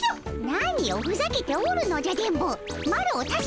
何をふざけておるのじゃ電ボマロを助けるでおじゃる。